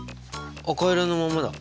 赤色のままだ。